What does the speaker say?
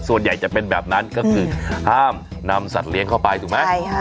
ส่วนใหญ่จะเป็นแบบนั้นก็คือห้ามนำสัตว์เลี้ยงเข้าไปถูกไหมใช่ค่ะ